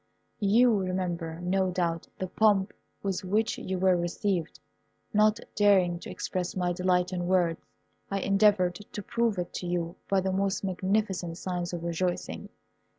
You remember, no doubt, the pomp with which you were received. Not daring to express my delight in words, I endeavoured to prove it to you by the most magnificent signs of rejoicing.